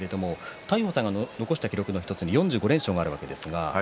大鵬さんの残した記録の１つに４５連勝があります。